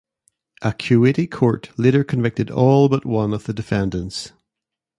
A Kuwaiti court later convicted all but one of the defendants.